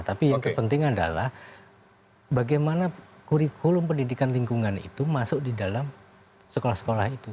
tapi yang terpenting adalah bagaimana kurikulum pendidikan lingkungan itu masuk di dalam sekolah sekolah itu